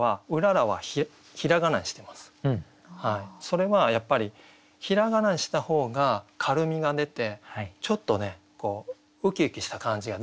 それはやっぱり平仮名にした方が軽みが出てちょっとねウキウキした感じが出るんですよね。